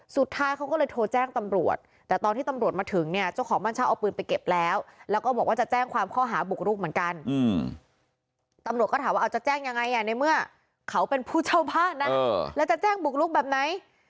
คุณเจ้าพ่านนะแล้วจะแจ้งบุกลุกแบบไหน